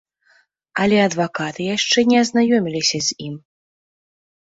Але адвакаты яшчэ не азнаёміліся з ім.